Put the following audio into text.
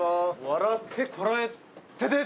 『笑ってコラえて！』